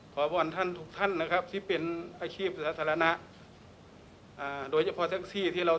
ขอวอนท่านทุกท่านนะครับที่เป็นอาชีพสาธารณะโดยเฉพาะแอ็กซี่